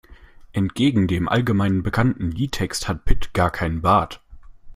Entgegen dem allgemein bekannten Liedtext hat Pit gar keinen Bart.